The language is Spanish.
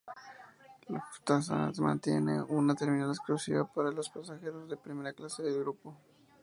Lufthansa mantiene una terminal exclusiva para los pasajeros de primera clase del Grupo.